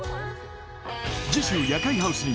次週「夜会ハウス」に